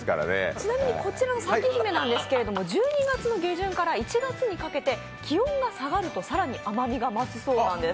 ちなみにこちらの咲姫ですが１２月下旬から１月にかけて気温が下がると更に甘みが増すそうなんです。